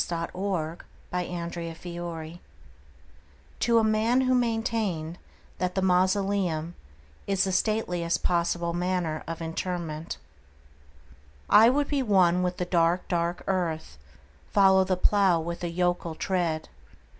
The Traveller heart (To a Man who maintained that the Mausoleum is the Stateliest Possible Manner of Interment) I would be one with the dark, dark earth:— Follow the plough with a yokel tread.